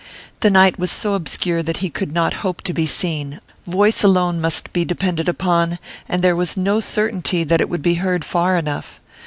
The night was so obscure that he could not hope to be seen; voice alone must be depended upon, and there was no certainty that it would be heard far enough.